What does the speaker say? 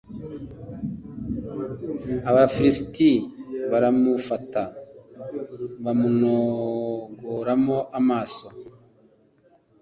abafilisiti baramufata bamunogoramo amaso